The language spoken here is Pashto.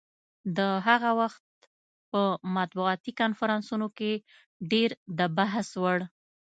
د هغه وخت په مطبوعاتي کنفرانسونو کې ډېر د بحث وړ.